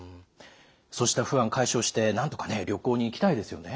そうした不安解消してなんとか旅行に行きたいですよね。